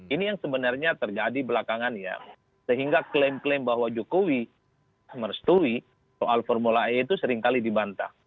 ini yang sebenarnya terjadi belakangan ya sehingga klaim klaim bahwa jokowi merestui soal formula e itu seringkali dibantah